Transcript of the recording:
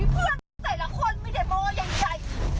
เพื่อนแต่ละคนมีเด็ดมอร์ใหญ่